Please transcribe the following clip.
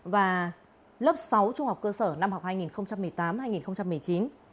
và lớp sáu trung học cơ sở năm học hai nghìn một mươi tám hai nghìn một mươi chín